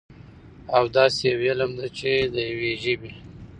او داسي يوه علم ده، چې د يوي ژبې